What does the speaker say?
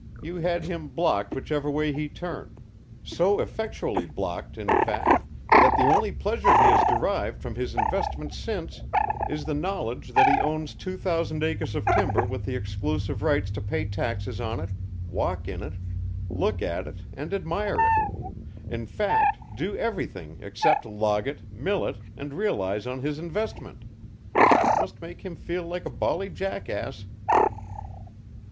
"You had him blocked whichever way he turned so effectually blocked, in fact, that the only pleasure he has derived from his investment since is the knowledge that he owns two thousand acres of timber with the exclusive right to pay taxes on it, walk in it, look at it and admire it in fact, do everything except log it, mill it, and realize on his investment. It must make him feel like a bally jackass."